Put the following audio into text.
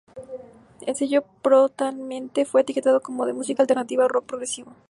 El sello prontamente fue etiquetado como de música alternativa o rock progresivo.